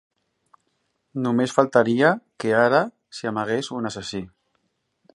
Només faltaria que ara s'hi amagués un assassí!